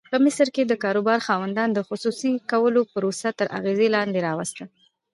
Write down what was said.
په مصر کې د کاروبار خاوندانو د خصوصي کولو پروسه تر اغېز لاندې راوسته.